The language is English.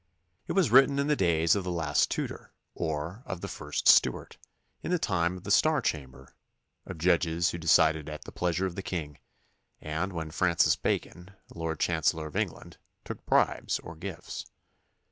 It was written in the days of the last Tudor or of the first Stuart, in the time of the Star Chamber, of judges who decided at the pleasure of the king, and when Francis Bacon, Lord Chancellor of England, took bribes or gifts.